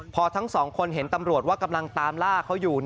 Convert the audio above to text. พอทั้งสองคนเห็นตำรวจว่ากำลังตามล่าเขาอยู่